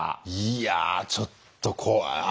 いやあちょっと怖い。